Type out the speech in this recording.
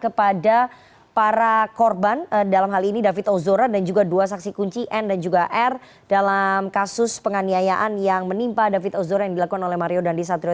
kepada para korban dalam hal ini david ozora dan juga dua saksi kunci n dan juga r dalam kasus penganiayaan yang menimpa david ozora yang dilakukan oleh mario dandisatrio